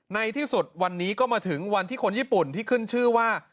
ในที่สุดวันนี้ก็มาถึงวันที่คนญี่ปุ่นที่ขึ้นชื่อว่า